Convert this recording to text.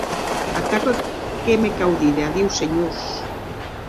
Atau que me cau díder adiu, senhors.